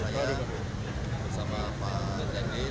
jadi tadi saya bersama pak denjenin